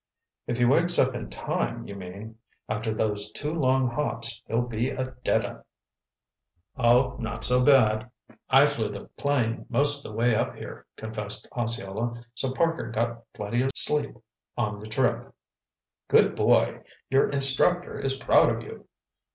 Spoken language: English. "If he wakes up in time, you mean. After those two long hops, he'll be a dead 'un." "Oh, not so bad. I flew the plane most of the way up here," confessed Osceola. "So Parker caught plenty of sleep on the trip." "Good boy! Your instructor is proud of you.